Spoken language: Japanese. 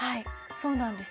そうなんです。